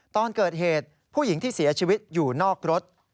ตอนเกิดเหตุผู้หญิงที่เสียชีวิตอยู่นอกรถ